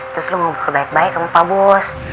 terus lo ngobrol baik baik sama pak bos